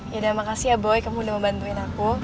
ya udah makasih ya boy kamu udah membantuin aku